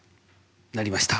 なりました。